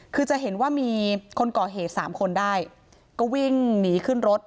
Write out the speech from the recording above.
คือจะเห็นว่ามีคนก่อเหตุสามคนได้ก็วิ่งหนีขึ้นรถ